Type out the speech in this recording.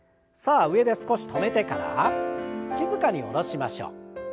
さあ上で少し止めてから静かに下ろしましょう。